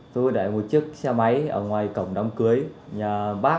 tôi đã mua chiếc xe máy ở ngoài cổng đám cưới nhà bác